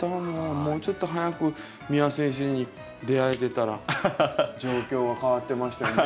もうちょっと早く三輪先生に出会えてたら状況が変わってましたよね